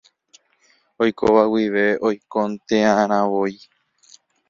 Oikóva guive oikonte'arãvoi